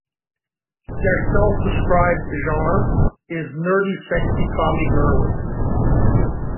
Their self-described genre is "Nerdy-Sexy-Commie-Girly".